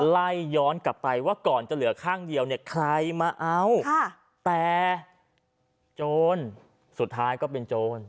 ไล่ย้อนกลับไปว่าก่อนจะเหลือข้างเดียวเนี่ยใครมาเอาแต่โจรสุดท้ายก็เป็นโจร